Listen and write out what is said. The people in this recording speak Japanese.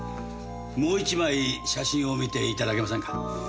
もう１枚写真を見て頂けませんか？